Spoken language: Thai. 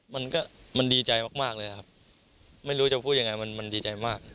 มันก็มันดีใจมากเลยครับไม่รู้จะพูดยังไงมันมันดีใจมาก